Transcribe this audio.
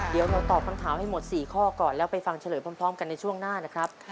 เดี๋ยวเราตอบคำถามให้หมด๔ข้อก่อนแล้วไปฟังเฉลยพร้อมกันในช่วงหน้านะครับ